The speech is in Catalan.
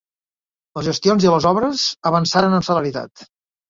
Les gestions i les obres avançaren amb celeritat.